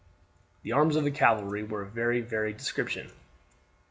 The arms of the cavalry were of a very varied description.